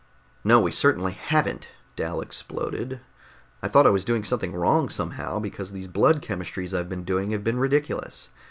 "No, we certainly haven't," Dal exploded. "I thought I was doing something wrong somehow, because these blood chemistries I've been doing have been ridiculous.